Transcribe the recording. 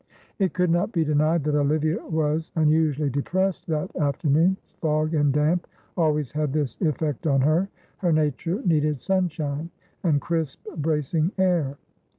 It could not be denied that Olivia was unusually depressed that afternoon, fog and damp always had this effect on her. Her nature needed sunshine and crisp, bracing air.